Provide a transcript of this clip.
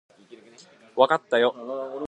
わかったよ